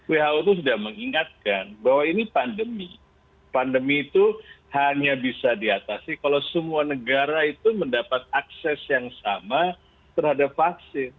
who itu sudah mengingatkan bahwa ini pandemi pandemi itu hanya bisa diatasi kalau semua negara itu mendapat akses yang sama terhadap vaksin